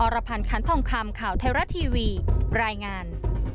รพันธ์คันทองคำข่าวไทยรัฐทีวีรายงาน